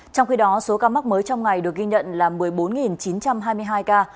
trong khi đó số ca mắc mới trong ngày được ghi nhận là một mươi bốn chín trăm hai mươi hai ca